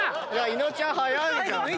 伊野尾ちゃん速いじゃん。